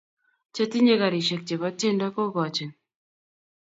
Che tinyei garisiek chebo tiendo kokochin